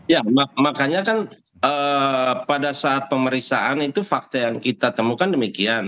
ya makanya kan pada saat pemeriksaan itu fakta yang kita temukan demikian